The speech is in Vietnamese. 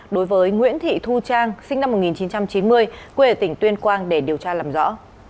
đối với nguyễn thị thu trang sinh năm một nghìn chín trăm chín mươi quê ở tỉnh tuyên quang để điều tra làm rõ